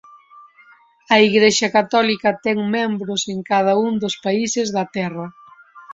A Igrexa católica ten membros en cada un dos países da Terra.